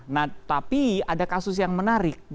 nah tapi ada kasus yang menarik